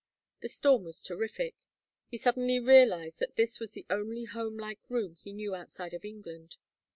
The storm was terrific. He suddenly realized that this was the only homelike room he knew outside of England.